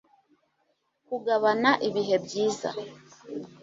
kugabana ibihe byiza